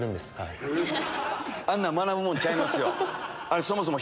あんなん学ぶもんちゃいますよ。